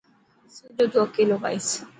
سڄو تون اڪيلو کائيس.